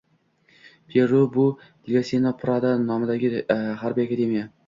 Peru bu – Leonsio Prado nomidagi harbiy akademiya